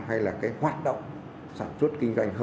hay là hoạt động sản xuất kinh doanh